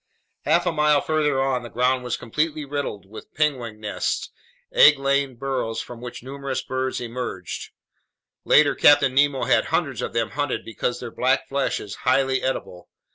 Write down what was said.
Half a mile farther on, the ground was completely riddled with penguin nests, egg laying burrows from which numerous birds emerged. Later Captain Nemo had hundreds of them hunted because their black flesh is highly edible.